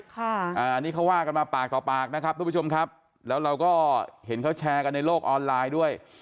อันนี้เขาว่ากันมาปากต่อปากนะครับทุกผู้ชมครับแล้วเราก็เห็นเขาแชร์กันในโลกออนไลน์ด้วย